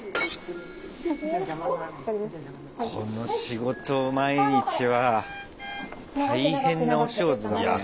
この仕事を毎日は大変なお仕事だね。